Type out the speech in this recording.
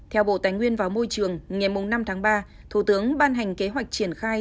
theo bộ tài nguyên và môi trường ngày năm tháng ba thủ tướng ban hành kế hoạch triển khai